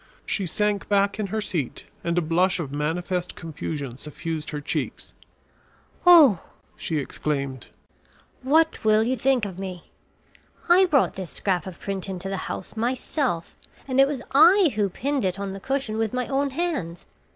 She sank back in her seat and a blush of manifest confusion suffused her cheeks. "Oh!" she exclaimed, "what will you think of me! I brought this scrap of print into the house myself and it was I who pinned it on the cushion with my own hands!